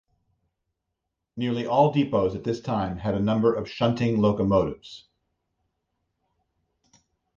Nearly all depots at this time had a number of shunting locomotives.